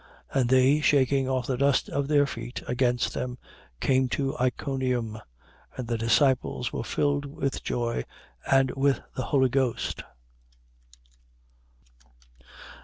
13:51. But they, shaking off the dust of their feet against them, came to Iconium. 13:52. And the disciples were filled with joy and with the Holy Ghost.